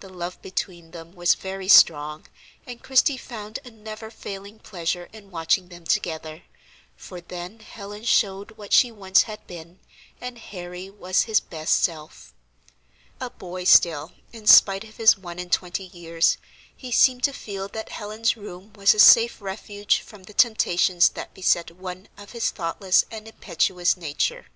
The love between them was very strong, and Christie found a never failing pleasure in watching them together, for then Helen showed what she once had been, and Harry was his best self. A boy still, in spite of his one and twenty years, he seemed to feel that Helen's room was a safe refuge from the temptations that beset one of his thoughtless and impetuous nature.